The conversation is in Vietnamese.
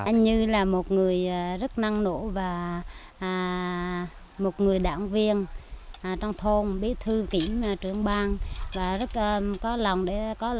anh a lăng như là một người rất năng nổ và một người đảng viên trong thôn biết thư kỹ trưởng bang và rất có tấm lòng để giúp đỡ bà con